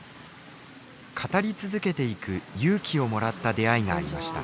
語り続けていく勇気をもらった出会いがありました。